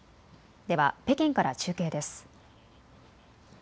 では北京から中継です。